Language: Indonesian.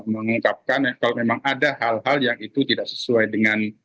mengungkapkan kalau memang ada hal hal yang itu tidak sesuai dengan